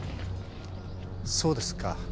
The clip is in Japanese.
そうですか。